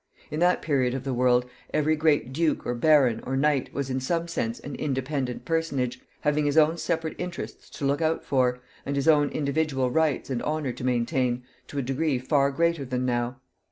In that period of the world, every great duke, or baron, or knight was in some sense an independent personage, having his own separate interests to look out for, and his own individual rights and honor to maintain, to a degree far greater than now.